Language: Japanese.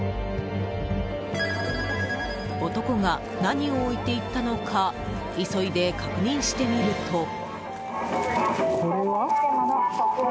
男が何を置いていったのか急いで確認してみると。